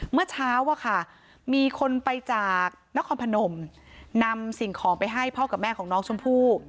เมื่อเช้าอะค่ะมีคนไปจากนครพนมนำสิ่งของไปให้พ่อกับแม่ของน้องชมพู่